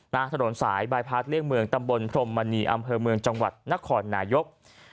ถนนสายบายพาร์ทเลี่ยงเมืองตำบลพรมมณีอำเภอเมืองจังหวัดนครนายก